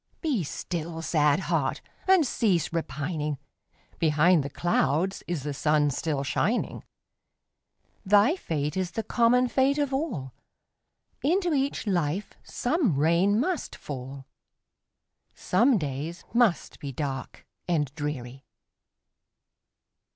Be still, sad heart! and cease repining; Behind the clouds is the sun still shining; Thy fate is the common fate of all, Into each life some rain must fall, Some days must be dark and dreary.